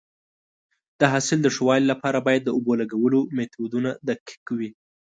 د حاصل د ښه والي لپاره باید د اوبو لګولو میتودونه دقیق وي.